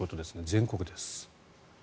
全国です。